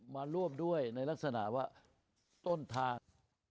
มาร่วมด้วยในลักษณะว่าต้นทาง